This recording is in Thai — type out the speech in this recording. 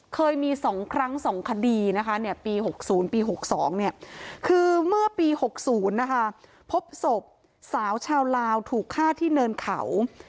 เคยมี๒ครั้ง๒คดีนะคะปี๖๐ปี๖๒คือเมื่อปี๖๐นะคะพบศพสาวชาวลาวถูกฆ่าที่เนินเขา